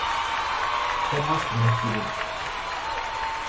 Què mostra el film?